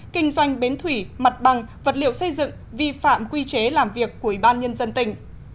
kinh doanh bến thủy mặt bằng vật liệu xây dựng vi phạm quy chế làm việc của ủy ban nhân dân tỉnh